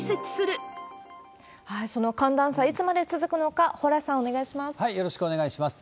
その寒暖差、いつまで続くのか、蓬莱さん、よろしくお願いします。